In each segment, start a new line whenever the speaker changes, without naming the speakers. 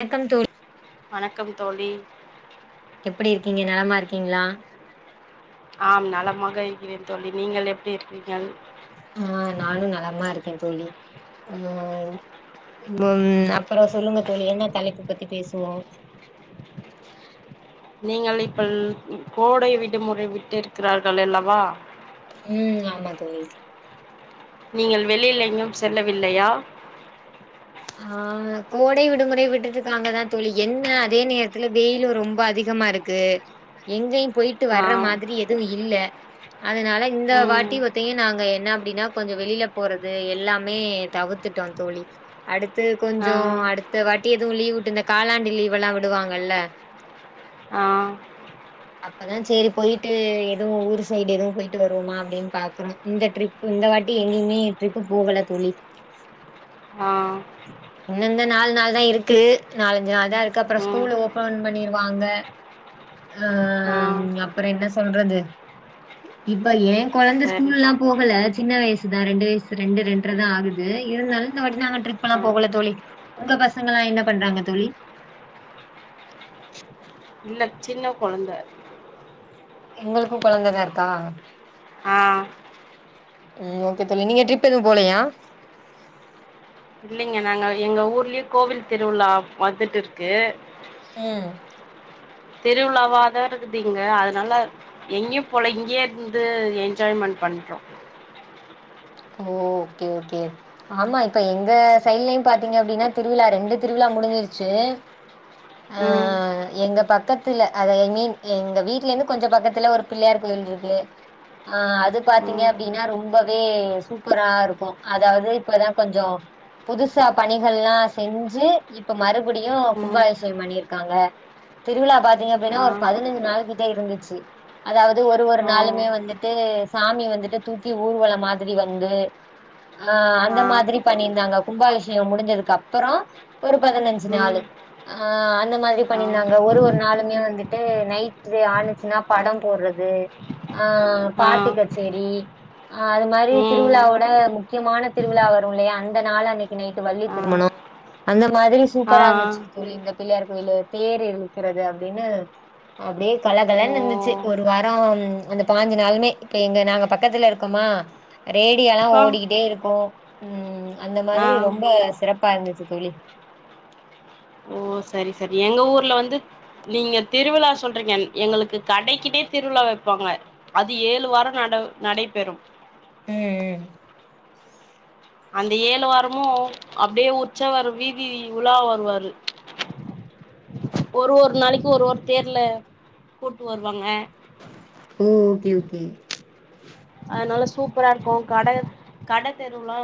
வண்க்கம் தோழி
வணக்கம் தோழி
எப்டி இருக்கீங்க நலமா இருக்கீங்ளா
ஆம் நலமாக இருக்கிறேன் தோழி நீங்கள் எப்டி இருக்கிரிங்கள்
ஆ நானும் நலமா இருக்கேன் தோழி ஆ ம் அப்பறம் சொல்லுங்க தோழி என்ன தலைப்பு பத்தி பேசுவோ
நீங்கள் இப்பல் கோடை விடுமுறை விட்டு இருக்கிறார்கள் அல்லவா
ம் ஆமா தோழி
நீங்கள் வெளில எங்கயும் செல்லவில்லையா
ஆ கோடை விடுமுறை விட்டுட்டு இருக்காங்கதா தோழி என்ன அதே நேரத்துல வெயிலும் ரொம்ப அதிகமா இருக் கு எங்கயு போயிட்டு வர்ற
ஆ
மாதிரி எதும் இல்ல அதுனால இந்த வாட்டி
ம்
ஒத்தயும் நாங்க என்ன அப்டின்னா கொஞ்சம் வெளில போறது எல்லாமே டவுத்துட்டோம் தோழி அடுத்து கொஞ்ச
ஆ
அடுத்த வாட்டி எதும் லீவ் வுட்டு இந்த காலாண்டு லீவ் எல்லாம் விடுவாங்கல்ல
ஆ
அப்ப தான் சேரி போயிட்டு எதுவும் ஊரு சைடு எதும் போயிட்டு வருவோமா அப்டின்னு பாக்குறோ இந்த ட்ரிப்பு இந்த வாட்டி எங்கயுமே ட்ரிப் போகல தோழி
ஆ
இன்னு இந்தா நாலு நாள் தான் இருக்கு நாலஞ்சு நாள் தான் இருக்கு அப்பறம்
ம்
ஸ்கூல் ஓபன் பண்ணிருவாங்க ஆ
ஆ
அப்பற என்ன சொல்றது இப்ப ஏன் கொழந்த
சரி
ஸ்கூல்லா போகல சின்ன வயசுதா ரெண்டு வயசு ரெண்டு ரெண்றதான் ஆகுது இருந்தாலு இந்த வாட்டி நாங்க ட்ரிப்லா
ஆ
போகல தோழி உங்க பசங்கல்லா என்ன பண்றாங்க தோழி
இல்ல சின்ன கொழந்த
உங்களுக்கும் கொழந்த தா இருக்கா
ஆ
ம் ஓகே தோழி நீங்க ட்ரிப் எதும் போலயா
இல்லங்க நாங்க எங்க ஊர்லயே கோவில் திருவிழா வந்துட்டு இருக்கு
ம்
தெருவுழாவாதா இருக்குது இங்க அதனால எங்கயு போல இங்கயே இருந்து என்ஜாய்மெண்ட் பண்றோ
ஓ ஓகே ஓகே ஆமா இப்ப எங்க சைட்லயும் பாத்தீங்க அப்டின்னா திருவிழா ரெண்டு திருவிழா முடிஞ்சிருச்சு ஆ
ம்
அ எங்க பக்கத்துல அத ஐ மீன் எங்க வீட்லருந்து கொஞ்ச பக்கத்துல ஒரு பிள்ளையார் கோயில் இருக்கு ஆ அது
அ
பாத்தீங்க
உ
அப்டின்னா ரொம்பவே சூப்பரா இருக்கும் அதாவது இப்பதான் கொஞ்சொ புதுசா பணிகள்லா செஞ்சு இப்ப மறுபடியு கும்பாவ்ஷேக பண்ணிருக்காங்க திருவிழா பாத்தீங்க அப்டின்னா
அ
ஒரு பதினஞ்சு நாள்கிட்ட இருந்துச்சு அதாவது ஒரு ஒரு
ஓ
நாளுமே வந்துட்டு சாமி வந்துட்டு தூக்கி ஊர்வலம் மாதிரி வந் து ஆ அந்த மாதிரி பண்ணியிருந்தாங்க கும்பாவிஷே முடிஞ்சதுக்கு அப்பறம் ஒரு பதினஞ்சு
ம்
நாளு ஆ அந்த மாதிரி
அ
பண்ணியிருந்தாங்க ஒரு ஒரு நாளுமே வந்துட்டு நைட்ரு ஆளு நா படம் போர்றது ஆ
ஆ ம் அ ஆ
பாட்டு கச்சேரி அது மாரி திருவிழாவோட முக்கியமான திருவிழா வரும் இல்லையா அந்த நாள் அன்னைக்கு நைட்டு வள்ளி திருமணம் அந்த மாதிரி சூப்பரா இருந்துச்சு தோழி இந்த பிள்ளையார் கோயிலு தேரு இழுக்கிறது அப்டினு அப்டியே
ஓ
கலகலன்னு இருந்துச்சு ஒரு வாரோ அந்த பாஞ்சு நாளுமே இப்ப எங்க நாங்க பக்கத்துல இருக்குமா ரேடியால்லா
அ
ஓடிக்கிட்டே இருக்கும் ம் அந்த மாதிரி
ஆ
ரொம்ப சிறப்பா இருந்துச்சு தோழி
ஓ சரி சரி எங்க ஊர்ல வந்து நீங்க திருவிழா சொல்றீங்க எங்களுக்கு கடைக்கிட்டயே திருவிழா வெப்பாங்க அது ஏழு வாரோ நட நடைபெறும்
ம் ம்
அந்த ஏழு வாரமு அப்டியே உச்சவரு வீதியில் உலா வருவாரு ஒரு ஒரு நாளைக்கு ஒரு ஒரு தேர்ல கூட்டு வருவாங்க
ம் ஓகே ஓகே
அன்னால சூப்பரா இருக்கும் கட கட தெருவுலா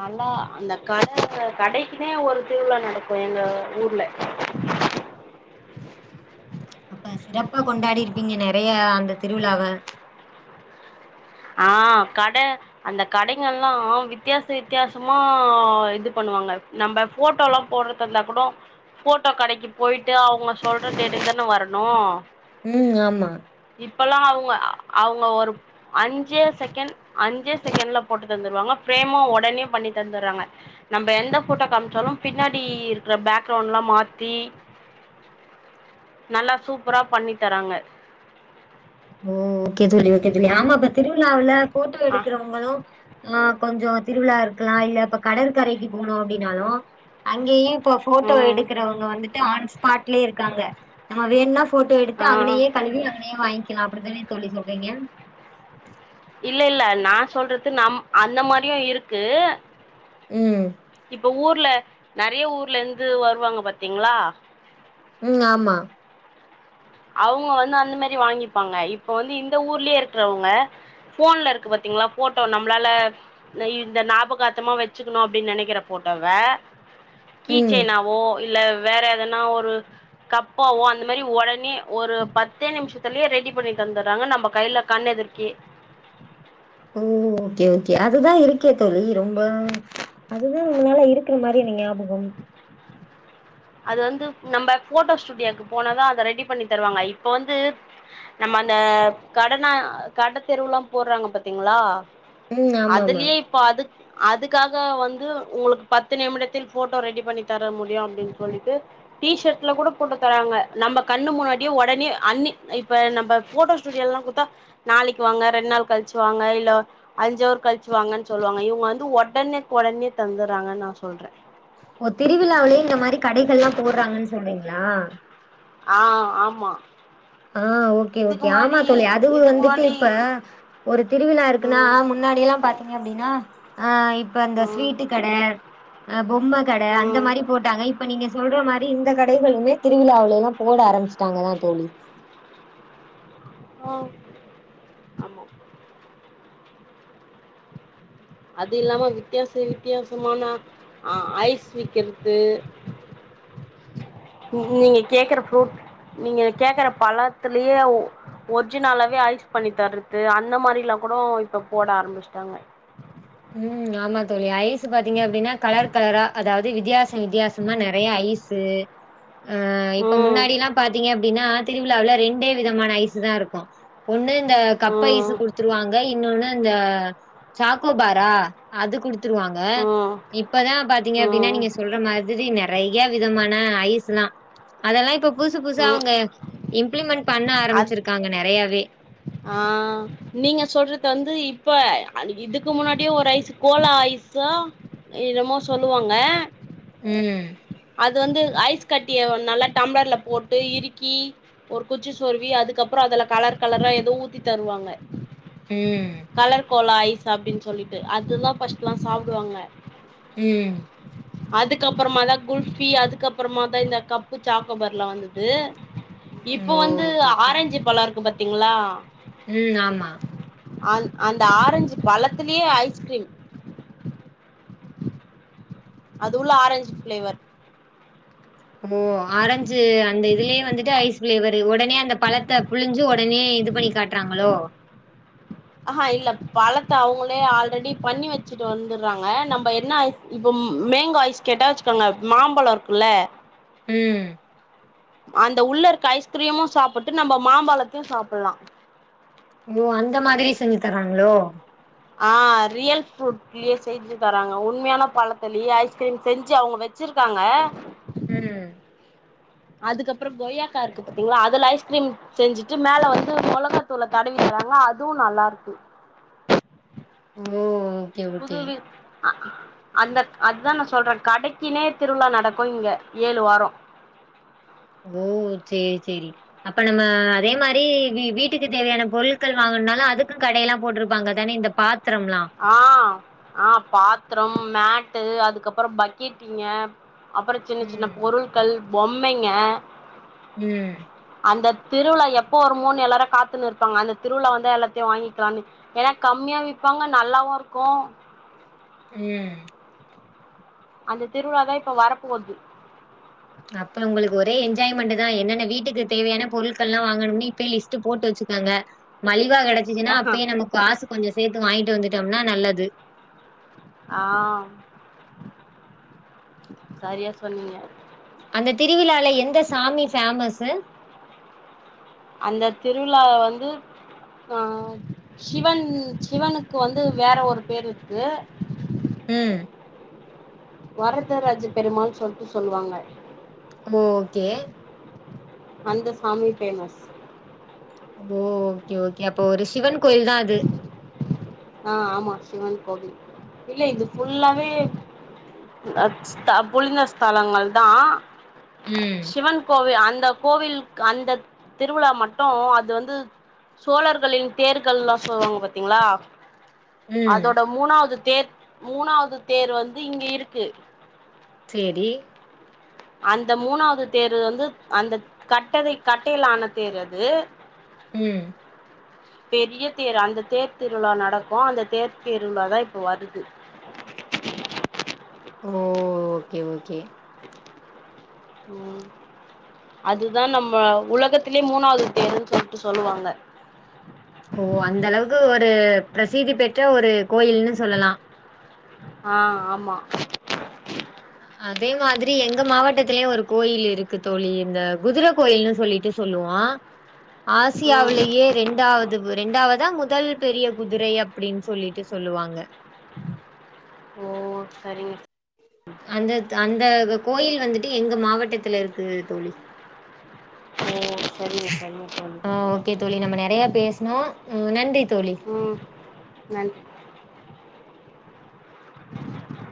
நல்லா அந்த கட கடைக்குன்னே ஒரு திருவிழா நடக் கும் எங்க ஊர்ல
அப்ப சிறப்பா கொண்டாடி இருப்பீங்க நெறைய அந்த திருவிழாவ
ஆ கட அந்த கடைங்கள்லா வித்தியாச வித்தியாசமா இது பண்ணுவாங்க நம்ப ஃபோட்டோல்லா போட்றதந்தா கூட ஃபோட்டோ கடைக்கு போய்ட்டு அவ் இவுங்க சொல்ற டேட்டுக்கு தான வரனோ
ம் ஆமா
இப்பல்லா அவுங்க அவுங்க ஒரு அஞ்சே செகண்ட் அஞ்சே செகண்ட்ல போட்டு தந்துருவாங்க பிரேமு ஒடனே பண்ணி தந்தறாங்க நம்ப எந்த ஃபோட்டோ காமிச்சாலும் பின்னாடி இருக்கிற பேக்ரவுண்ட்ல்லா மாத்தி நல்லா சூப்பரா பண்ணி தராங்க
ஓ ஓகே தோழி ஓகே தோழி ஆமா இப்ப திருவிழாவுல ஃபோட்டோ
ஆ
எடுக்கறவங்களு ஆ கொஞ்சோ திருவிழா இருக்கலா இல்ல இப்ப கடற்கரைக்கு போணும் அப்டினாலு அங்கேயே இப்ப ஃபோட்டோ
ம்
எடுக்குறவங்க வந்துட்டு ஆன் ஸ்பாட்லே இருக்காங்க நம்ம வேண்னா ஃபோட்டோ எடுத்து
ஆ
அங்கனயே கழுவி அங்கனயே வாய்ங் க்லா அப்டி தானே தோழி சொல்றீங்க
இல்ல இல்ல நா சொல்றது நம் அந்த மாரியும் இருக்கு
ம்
இப்ப ஊர்ல நெறைய ஊர்ல இந்து வருவாங்க பாத்தீங்ளா
ம் ஆமா
அவுங்க வந்து அந்த மாரி வாங்கிப்பாங்க இப்ப வந்து இந்த ஊர்லயே இருக்குறவங்க ஃபோன்ல இருக்கு பாத்தீங்ளா ஃபோட்டோ நம்ளால நா இந்த ஞாபகாத்தமா வச்சுக்கணு அப்டின் நெனைக்கிற ஃபோட்டவ கீ
ம்
செய்னாவோ இல்ல வேற எதனா ஒரு கப்பாவோ அந்த மாரி ஒடனே ஒரு பத்தே நிமிஷத்துலயே ரெடி பண்ணி தந்துறாங்க நம்ம கையில கண் எதிர்க்கே
உம்... ஓகே ஓகே அதுதா இருக்கே தோழி ரொம்ப உம்.... உங்களால இருக்குற மாரி எனக்கு ஞாபகம்
அது வந்து நம்ப போட்டோ ஸ்டுடியோக்கு போனதா அத ரெடி பண்ணி தருவாங்க இப்ப வந்து நம்ம அந்த கடனா கட தெருவுல்லா போட்றாங்க பாத்தீங்களா
ம் ஆமா ஆமா
அதுலேயே இப் இப்ப அது அதுக்காக வந்து உங்களுக்கு பத்து நிமிடத்தில் போட்டோ ரெடி பண்ணி தர முடியும் அப்டின்னு சொல்ட்டு... டி சர்ட்ல கூட போட்டு தராங்க நம்ம கண்ணு முன்னாடியே உடனே அன்னைக்கு இப்ப நம்ம போட்டோ ஸ்டு ஸ்டுடியோல்லா குடுத்தா நாளைக்கு வாங்க ரெண்டு நாள் கழிச்சுவாங்க இல்ல அஞ்ஜவர் கழிச்சுவாங்கன்னு சொல்லுவாங்க இவங்க வந்து உடனேக்குடனே தந்துறாங்கன்னு நா சொல்றேன்.
ஓ திருவிழாவிலேயு இந்த மாரி கடைகள் எல்லாம் போடுறாங்கன்னு சொல்றீங்களா
ஆ ஆமா
ஆ ஓகே
இதுக்கு
ஓகே ஆமா
முன்னாடி
தோழி அதுவும்
இதுக்கு
வந்துட்டு
முன்னாடி
இப்ப ஒரு திருவிழா இருக்குன்னா
ம்
முன்னாடி எல்லா பாத்தீங்க அப்டின்னா ஆ இப்ப அந்த
ம்
ஸ்வீட்டு கடை ஆ பொம்ம கடை அந்த
ம்
மாரி போட் இப்ப நீங்க சொல்ற மாரி இந்த கடைகளுமே திருவிழாவுலை எல்லா போட ஆரம்பிச்சுட்டாங்க தா தோழி
ஆ அது இல்லாம வித்தியாசம் வித்தியாசமான ஆ ஐஸ் விக்கிறது [unintelligible] நீங்க கேக்குற ஃப்ரூட் நீங்க கேக்கற பழத்துலயே ஒர்ஜினாலாவே ஐஸ் பண்ணி தர்றது அந்த மாரி எல்லாம் கூட இப்ப போட ஆரம்பிச்சுட்டாங்க
உம் ஆமா தோழி ஐஸ் பாத்தீங்க அப்டின்னா கலர் கலரா அதாவது வித்தியாசம் வித்தியாசம் நெறைய ஐஸ் ஆ இப்ப
ம்
முன்னாடி எல்லா பாத்தீங்க அப்டின்னா திருவிழாவுல ரெண்டே விதமான ஐஸ் தா இருக்கு ஒண்ணு இந்த கப் ஐஸ்
ம்
குடுத்துருவாங்க இன்னொன்னு அந்த ஜாக்கோபாரா அது குடுத்துருவாங்க
ம்
இப்பதா பாத்தீங்க அப்டின்னா
ம்
நீங்க சொல்ற மாதிரி நெறைய விதமான ஐஸ் எல்லா அதெல்லா இப்ப புதுசு புதுசு
ம்
அவுங்க இம்ப்ளிமெண்ட் பண்ண
அது
ஆரம்பிச்சிருக்காங்க நெறையாவே
ஆ நீங்க சொல்றது வந்து இப்ப இதுக்கு முன்னாடியே ஒரு ஐஸ் கோலா ஐஸ்சா என்னமோ சொல்லுவாங்க
உம்
அது வந்து ஐஸ் கட்டிய நல்லா டம்ளர்ல போட்டு இருக்கி ஒரு குச்சி சொர்வி அதுக்கப்புறோ அதுல கலர் கலரா ஏதோ ஊத்தி தருவாங்க
உம்
கலர் கோலா ஐஸ் அப்டின் சொல்லிட்டு அதுதா ஃபர்ஸ்ட் எல்லா சாப்டுவாங்க
உம்
அதுக்கப்றமா தா குல்ஃபி அதுக்கப்றமா தா இந்த கப்பு ஜாக்கோபார்லா வந்தது இப்ப
ஓ
வந்து
ஓகே
ஆரஞ்சு பழம் இருக்கு பாத்தீங்களா
உம் ஆமா
அந்த ஆரஞ்சு பழத்திலயே ஐஸ்கிரீம் அது உள்ள ஆரஞ்சு ஃபிளேவர்
ஓ ஆரஞ்சு அந்த இதுலேயே வந்துட்டு ஐஸ் ஃபிளேவரு உடனே அந்த பழத்தை புழிஞ்சு உட பண்ணி இது பண்ணி காட்றாங்களோ
அஹா இல்ல பழத்த அவுங்களே ஆல்ரெடி பண்ணி வச்சிட்டு வந்துர்றாங்க நம்ப என்னா ஐஃப் இப்பொம் மேங்கோ ஐஸ் கேட்டா அச்சுக்கங்க மாம்பழ இருக்குல்ல
ம்
அந்த உள்ள இருக்க ஐஸ்க்ரீமு சாப்பிட்டு நம்ம மாம்பழத்தையு சாப்பல்லா
மோ அந்த மாதிரி செஞ்சி தராங்ளோ
ஆ ரியல் ஃப்ரூட் இல்யே செய்து தராங்க உண்மையான பாலத்தளி ஐஸ்க்ரீம் செஞ்சி அவங்க வெச்சிருக்காங்க
ம்
அதுக்கப்றோ கொய்யாக்கா இருக்கு பாத்தீங்களா அதுல ஐஸ்க்ரீம் செஞ்சிட்டு மேல வந்து மொளகாத்தூள தடவி தறாங்ளா அதுவு நல்லார்க்கு
உம்மோ அர்
புதுவி அ அந்தக் அத்தா நா சொல்றன் கடைக்கினே திருவிழா நடக்கு இங்க ஏழு வாரோ
ஓ ச்சே ச்செரி அப்ப நம்ம அதே மாரி வீ வீட்டுக்கு தேவையான பொருள்க்கள் வாங்கனாலு அதுக்குன் கடையெல்லா போட்ருப்பாங்க தானே இந்தப் பாத்தரம்லா
ஆ ஆ பாத்ரம் மேட்டு அதுக்கப்புறம் பக்கெட்டிங்க அப்பற சின்ன சின்ன
ம்.
பொருள்க்கள் பொம்மைங்க
ம்
அந்த திருவிழா எப்போ வருமோனு எல்லாரு காத்துன்னு இருப்பாங்க அந்த திருவிழா வந்தா எல்லாத்தையு வாங்கி ட்ராமி ஏனா கம்மியா விப்பாங்க நல்லாவு இருக்கு
ம்
அந்த திருவிழா தா இப்ப வரப்போவது
அப்ப உங்களுக்கு ஒரே என்ஜாய்மெண்ட்டுதா என்னன்ன வீட்டுக்கு தேவையான பொருள்க்கள்லா வாங்கணும்னே இப்பே லிஸ்ட்டு போட்டு வச்சுக்குங்க மலிவா கெடச்சிச்சுன்னா அப்பயே நமக் காசு கொஞ்சோ சேத்து வாய்ன்ட்டு வந்துட்டம்னா நல்லது
ஆம் சரியா சொன்னீங்க
அந்த திருவிழால எந்த சாமி ஃபேமஸ்ஸு
அந்த திருவிழா வந்து ஆ ஷிவன் ஷிவனுக்கு வந்து வேற ஒரு பேர் ருக்கு
ம்
வரதராஜ பெருமாள் சொல்ட்டு சொல்வாங்க
மோ க்கே
அந்த சாமி ஃபேமஸ்
போ ஓகே ஓகே அப்போ ஒரு ஷிவன் கோயில் தா அது
ஆ ஆமா ஷிவன் கோவில் இல்ல இது ஃபுல்லாவே அத் ஸ்தபுலிங்க ஸ்தலங்கள் தா
ம்,
ஷிவன் கோவே அந்த கோவில்க் அந்தத் திருவிழா மட்டு அது வந்து சோழர்களின் தேர்கள்லா சொல்லுவாங்க பாத்தீங்ளா
ம்.
அதோட மூணாவ்து தேர் மூணாவ்து தேர் வந்து இங்கு இருக்கு
சேரி
அந்த மூணாவ்து தேரு வந்து அந்த கட்டதை கட்டையிலான தேர் அது
ம்
பெரிய தேர் அந்த தேர் திருவிழா நடக்கு அந்த தேர் திருவிழா தா இப்போ வருது
ஓ ஓகே ஓகே
ம் அதுதா நம்ம உலகத்திலே மூணாவ்து தேருன் சொல்ட்டு சொல்லுவாங்க
ஓ அந்த அளவுக்கு ஒரு பிரசீதி பெற்ற ஒரு கோயில்னு சொல்லலா
ஆஹ் ஆமா
அதே மாதிரி எங்க மாவட்டத்திலயு ஒரு கோயில் இருக்கு தோழி இந்த குதிர கோயில்னு சொல்லிட்டு சொல்லுவோ
ம்
ஆசியாவிலேயே ரெண்டாவது ரெண்டாவதா முதல் பெரிய குதிரை அப்டின் சொல்லிட்டு சொல்லுவாங்க
ஓ சரிங்க
அந்த அந்த கோயில் வந்துட்டு எங்க மாவட்டத்துல இருக்கு தோழி
ஓ செரிங்க செரிங்க தோழி
ஆ ஓகே தோழி நம்ம நெறைய பேசுணோ நன்றி தோழி
ம் நன்றி